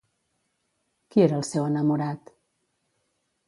Qui era el seu enamorat?